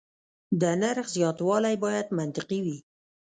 د نرخ زیاتوالی باید منطقي وي.